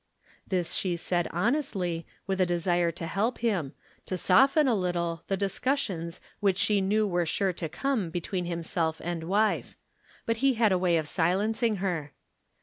This she said honestly, with a desire to help him — to soften a little the discussions which she knew were sure to come between himseK and wife. But he had a way of silencing her.